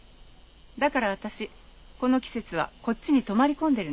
だから私この季節はこっちに泊まり込んでるんです。